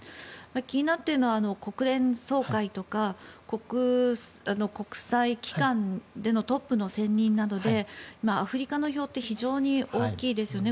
気になっているのは国連総会とか国際機関でのトップの選任などでアフリカの票って非常に大きいですよね。